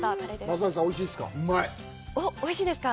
松崎さん、おいしいですか？